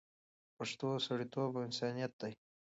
پښتو سړیتوب او انسانیت دی